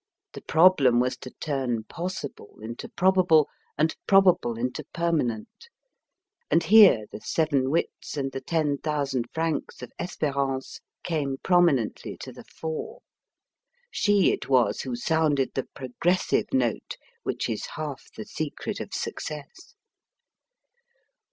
The problem was to turn possible into probable, and probable into permanent; and here the seven wits and the ten thousand francs of Espérance came prominently to the fore. She it was who sounded the progressive note, which is half the secret of success.